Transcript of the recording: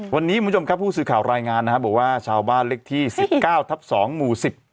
วันนี้คุณผู้ชมครับผู้สื่อข่าวรายงานนะครับบอกว่าชาวบ้านเล็กที่๑๙ทับ๒หมู่๑๐